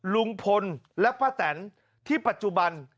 ลุงพลและป้าแตนที่ปัจจุบัน